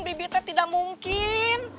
bibi teh tidak mungkin